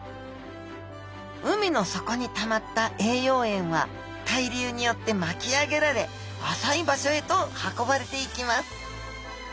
海の底にたまった栄養塩は対流によって巻き上げられ浅い場所へと運ばれていきます。